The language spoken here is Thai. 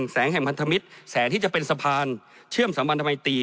แสงแห่งพันธมิตรแสงที่จะเป็นสะพานเชื่อมสัมพันธมัยตี